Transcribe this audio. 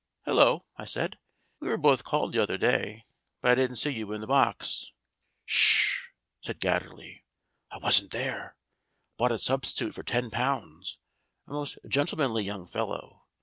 "Hullo," I said. "We were both called the other day, but I didn't see you in the box." "Ssh !" said Gatterley. "I wasn't there. Bought a substitute for ten pounds a most gentlemanly young fellow.